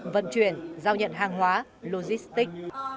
vận chuyển giao nhận hàng hóa logistic